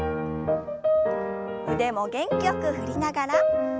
腕も元気よく振りながら。